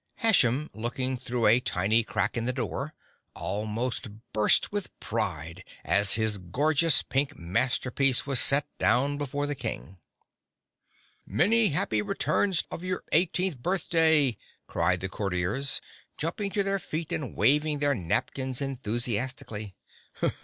Hashem, looking through a tiny crack in the door, almost burst with pride as his gorgeous pink masterpiece was set down before the Prince. "Many happy returns of your eighteenth birthday!" cried the Courtiers, jumping to their feet and waving their napkins enthusiastically.